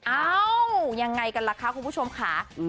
เอ้ายังไงกันล่ะคะคุณผู้ชมค่ะ